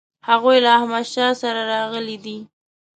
هغوی له احمدشاه سره راغلي دي.